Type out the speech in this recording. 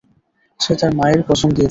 সে তার মায়ের কসম দিয়েছে।